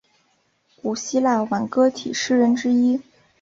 古希腊挽歌体诗人之一。